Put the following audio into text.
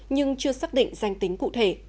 nhưng chưa xác định danh tính cụ thể